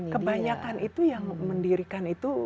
kebanyakan itu yang mendirikan itu